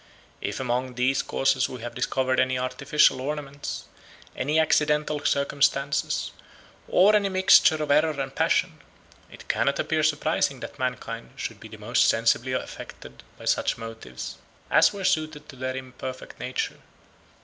If among these causes we have discovered any artificial ornaments, any accidental circumstances, or any mixture of error and passion, it cannot appear surprising that mankind should be the most sensibly affected by such motives as were suited to their imperfect nature.